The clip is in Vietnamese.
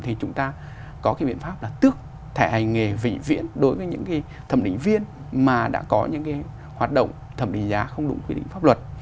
thì chúng ta có cái biện pháp là tước thẻ hành nghề vĩnh viễn đối với những cái thẩm định viên mà đã có những cái hoạt động thẩm định giá không đúng quy định pháp luật